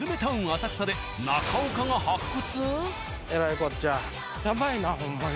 浅草で中岡が発掘？